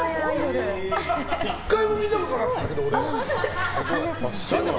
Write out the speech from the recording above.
１回も見たことなかったけど俺。